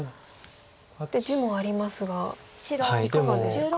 で地もありますがいかがですか？